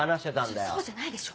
ちょっとそうじゃないでしょ。